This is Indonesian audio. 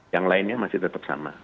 yang lainnya masih tetap sama